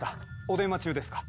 お電話中ですか。